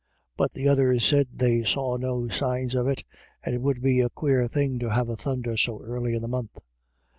But the others said • they saw no signs of it ; and it would be a quare thing to have thunder so early in the month.